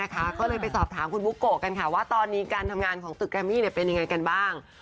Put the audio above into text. ก็ไปสอบถามคุณบุโกว่าตอนนี้การทำงานของตึกกรามิเป็นอย่างไรบ้าง